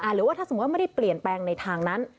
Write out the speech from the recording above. หรือว่าถ้าสมมุติว่าไม่ได้เปลี่ยนแปลงในทางนั้น